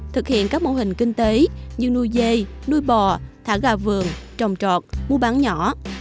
thực hiện các mô hình kinh tế như nuôi dê nuôi bò thả gà vườn trồng trọt mua bán nhỏ